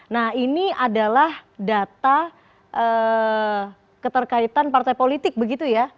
nah ini adalah data keterkaitan partai politik begitu ya